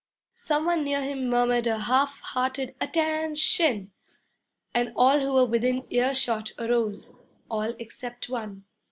Some one near him murmured a half hearted 'Attention!' and all who were within earshot arose all except one.